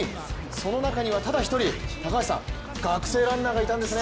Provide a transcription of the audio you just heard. その中にはただ１人高橋さん学生ランナーがいたんですね。